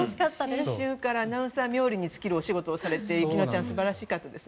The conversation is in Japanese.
アナウンサー冥利に尽きるお仕事をされて、雪乃ちゃん素晴らしかったですね。